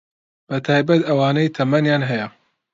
بەتایبەت ئەوانەی تەمەنیان هەیە